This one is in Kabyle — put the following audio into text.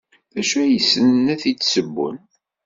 D acu ay ssnen ad t-id-ssewwen?